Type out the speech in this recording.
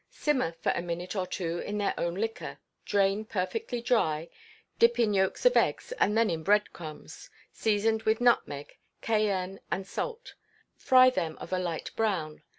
Simmer for a minute or two in their own liquor; drain perfectly dry; dip in yolks of eggs, and then in bread crumbs, seasoned with nutmeg, cayenne, and salt; fry them of a light brown.